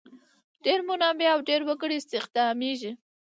ډېر منابع او ډېر وګړي استخدامیږي.